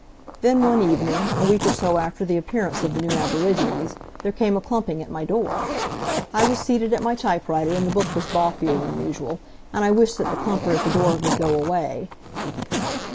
Then one evening, a week or so after the appearance of the new aborigines, there came a clumping at my door. I was seated at my typewriter and the book was balkier than usual, and I wished that the clumper at the door would go away.